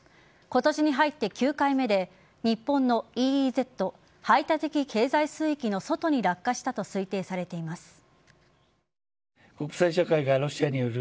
今年に入って９回目で日本のＥＥＺ＝排他的経済水域の外に落下したと推定されています。